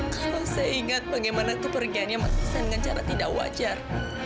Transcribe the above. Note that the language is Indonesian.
kalau saya ingat bagaimana kepergiannya dengan cara tidak wajar